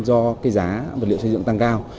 do cái giá vật liệu xây dựng tăng cao